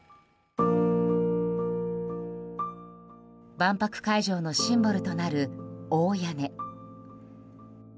万博会場のシンボルとなる大屋根。